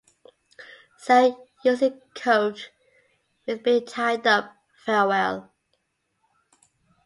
Sarah usually coped with being tied up very well.